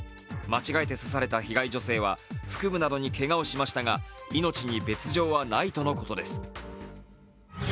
間違えて刺された被害女性は腹部などにけがをしましたが、命に別状はないとのことです。